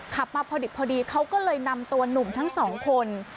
ขับมาพอดิบพอดีเขาก็เลยนำตัวหนุ่มทั้งสองคน